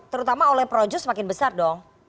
terutama oleh projus semakin besar dong